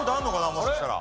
もしかしたら。